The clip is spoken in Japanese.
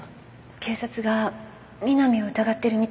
警察が美波を疑ってるみたいなの。